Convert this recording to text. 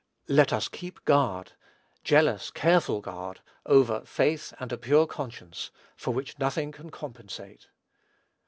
Let us keep guard jealous, careful guard over "faith and a pure conscience," for which nothing can compensate.